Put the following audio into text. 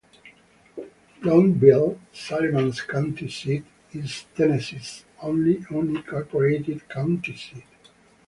Blountville, Sullivan's county seat, is Tennessee's only unincorporated county seat.